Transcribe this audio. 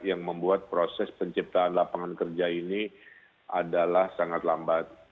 yang membuat proses penciptaan lapangan kerja ini adalah sangat lambat